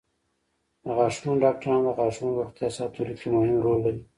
د غاښونو ډاکټران د غاښونو روغتیا ساتلو کې مهم رول لري.